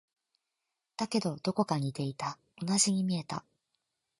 だけど、どこか似ていた。同じに見えた。